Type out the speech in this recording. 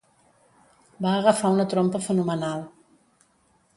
Va agafar una trompa fenomenal.